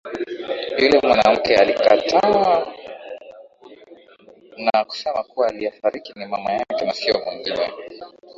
Yule mwanamke alikataa na kusema kuwa aliyefariki ni mama yake na sio mwingine